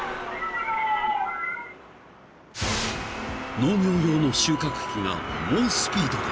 ［農業用の収穫機が猛スピードで］